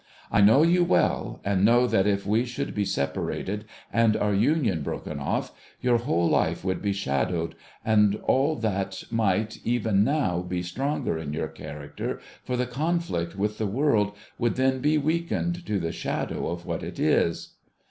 I know you well, and know that if we should be separated and our union broken off, your whole life would be shadowed, and all that might, even now, be stronger in your character for the conflict with the world would then be weakened to the shadow of what it is